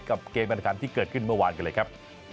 กับเกมบันการณ์ที่เกิดขึ้นเมื่อวานกันเลยครับ